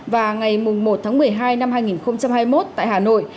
và ngày một tháng một mươi hai năm hai nghìn hai mươi một tại hà nội